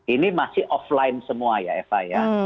ini masih offline semua ya eva ya